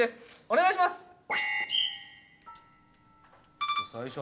お願いします。